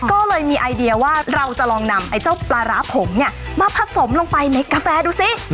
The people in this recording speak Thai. ก็เลยมีไอเดียว่าเราจะลองนำไอ้เจ้าปลาร้าผงเนี่ยมาผสมลงไปในกาแฟดูสิ